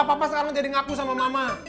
papa sekarang jadi ngaku sama mama